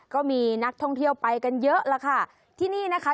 ก็มีนักท่องเที่ยวไปกันเยอะแล้วค่ะที่นี่นะคะ